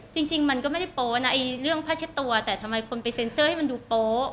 จริงมันก็ไม่ได้โป๊ะนะเรื่องผ้าเช็ดตัวแต่ทำไมคนไปเซ็นเซอร์ให้มันดูโป๊ะ